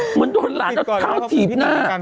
เหมือนโดนหลานเอาเท้าถีบหน้า